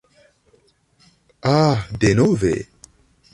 Ah, denove!